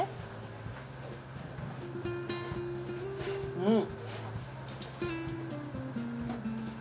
うん！